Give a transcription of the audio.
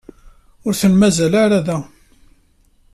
Ur ten-mazal ara da.